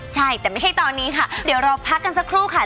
ใช่แต่ไม่ใช่ตอนนี้ค่ะเดี๋ยวเราพักกันสักครู่ค่ะ